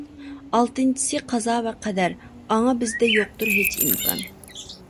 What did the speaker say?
ئالتىنچىسى قازا ۋە قەدەر، ئاڭا بىزدە يوقتۇر ھېچ ئىمكان.